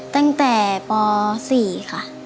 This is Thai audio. ตั้งแต่ป๔ค่ะ